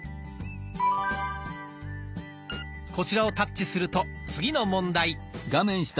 こちらをタッチすると次の問題。